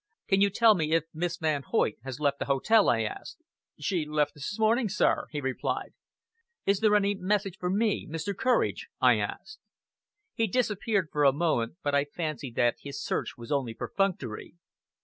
"Can you tell me if Miss Van Hoyt has left the hotel?" I asked. "She left this morning, sir," he replied. "Is there any message for me Mr. Courage?" I asked. He disappeared for a moment, but I fancied that his search was only perfunctory.